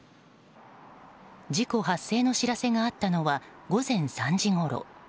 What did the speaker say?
事故発生の知らせがあったのは午前３時ごろ。